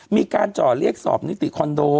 จ่อเรียกสอบนิติคอนโด